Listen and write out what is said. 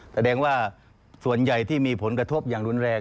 แสดงว่าส่วนใหญ่ที่มีผลกระทบอย่างรุนแรง